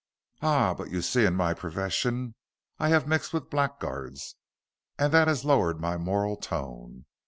"Ah, but you see in my profession I have mixed with blackguards, and that has lowered my moral tone.